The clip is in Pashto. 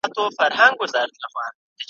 مځکه به کړو خپله له اسمان سره به څه کوو ,